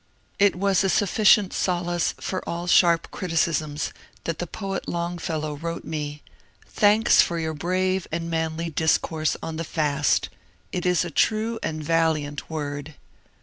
It was a sufficient solace for all sharp criticisms that the poet Longfellow wrote me: ^^ Thanks for your brave and manly discourse on the ^ Fast.' It is a true and valiant word."